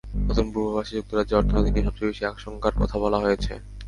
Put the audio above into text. নতুন পূর্বাভাসে যুক্তরাজ্যের অর্থনীতি নিয়ে সবচেয়ে বেশি আশঙ্কার কথা বলা হয়েছে।